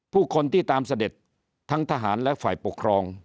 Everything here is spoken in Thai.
ผู้คนที่ตามเสด็จทั้งทหารและฝ่ายปกครอง